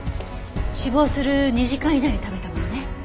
死亡する２時間以内に食べたものね。